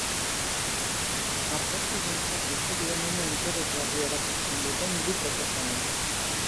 Argazkigintzak bizi duen une interesgarria erakusten duten hiru proposamen.